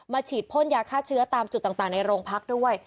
ฉีดพ่นยาฆ่าเชื้อตามจุดต่างในโรงพักด้วย